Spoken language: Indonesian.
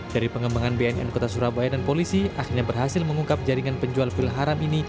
dari pengembangan bnn kota surabaya dan polisi akhirnya berhasil mengungkap jaringan penjual pil haram ini